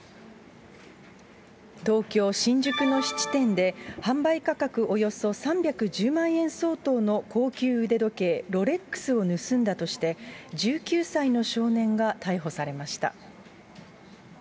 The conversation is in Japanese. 東京・新宿の質店で、販売価格およそ３１０万円相当の高級腕時計、ロレックスを盗んだとして、１９歳の少年が逮捕されました。